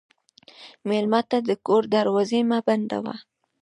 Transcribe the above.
مېلمه ته د کور دروازې مه بندوه.